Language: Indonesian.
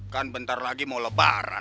kan bentar lagi mau lebaran